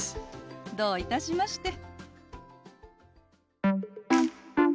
どういたしまして。